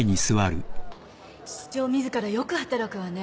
室長自らよく働くわね。